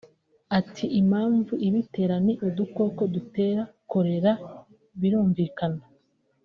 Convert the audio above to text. Ati “Impamvu ibitera ni udukoko dutera Cholera birumvikana[